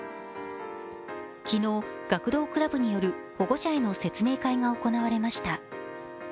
昨日、学童クラブによる保護者への説明会が行われました。